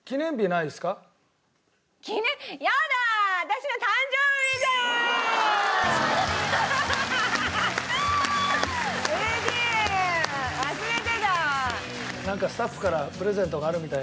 なんかスタッフからプレゼントがあるみたいなので。